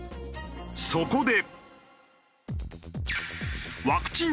そこで。